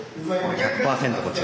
１００％こっち？